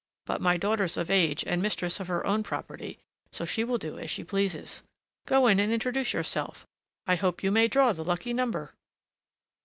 But my daughter's of age and mistress of her own property; so she will do as she pleases. Go in and introduce yourself; I hope you may draw the lucky number!"